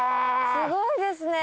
すごいですね。